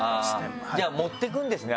じゃあ持っていくんですね